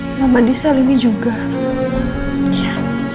hai nama di sel ini juga ya